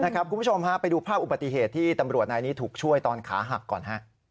คุณผู้ชมไปดูภาพอุบัติเหตุที่ตำรวจนายนี้ถูกช่วยตอนขาหักก่อน